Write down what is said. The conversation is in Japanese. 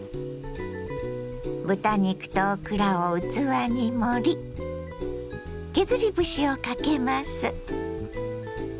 豚肉とオクラを器に盛り削り節をかけます。